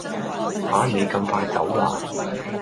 吓你咁快走啦？